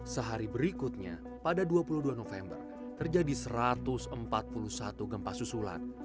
sehari berikutnya pada dua puluh dua november terjadi satu ratus empat puluh satu gempa susulan